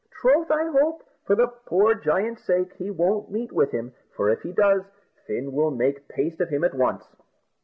Troth, I hope, for the poor giant's sake, he won't meet with him, for if he does, Fin will make paste of him at once."